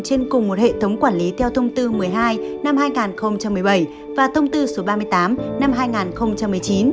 trên cùng một hệ thống quản lý theo thông tư một mươi hai năm hai nghìn một mươi bảy và thông tư số ba mươi tám năm hai nghìn một mươi chín